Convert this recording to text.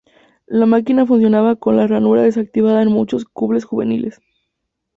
La máquina funcionaba con la ranura desactivada en muchos clubes juveniles.